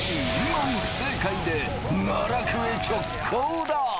２問不正解で奈落へ直行だ